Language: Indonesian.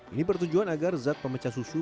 ini bertujuan agar zat pemecah susu